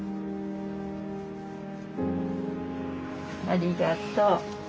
ありがとう。